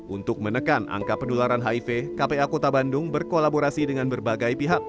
untuk menekan angka penularan hiv kpa kota bandung berkolaborasi dengan berbagai pihak